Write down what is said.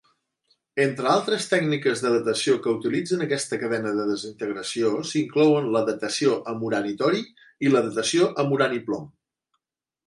Entre altres tècniques de datació que utilitzen aquesta cadena de desintegració s'hi inclouen la datació amb urani-tori i la datació amb urani-plom.